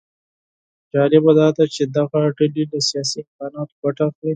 جالبه داده چې دغه ډلې له سیاسي امکاناتو ګټه اخلي